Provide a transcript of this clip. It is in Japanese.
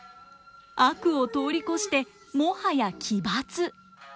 悪を通り越してもはや奇抜。